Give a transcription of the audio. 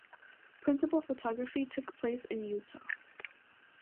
Principal photography took place in Utah.